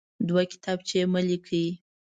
دوه کتابچې مه لیکئ.